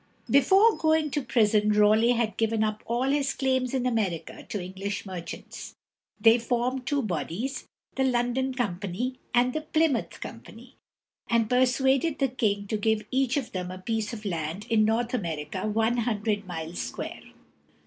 Before going to prison Raleigh had given up all his claims in America to English merchants. They formed two bodies, the London Company and the Plym´oŭth Company, and persuaded the king to give each of them a piece of land in North America one hundred miles square.